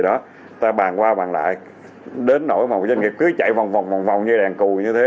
người ta bàn qua bàn lại đến nỗi mà một doanh nghiệp cứ chạy vòng vòng như đàn cù như thế